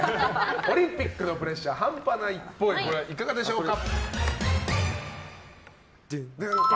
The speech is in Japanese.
オリンピックのプレッシャーハンパないっぽいいかがでしょうか？